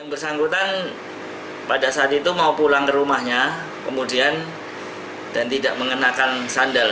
yang bersangkutan pada saat itu mau pulang ke rumahnya kemudian dan tidak mengenakan sandal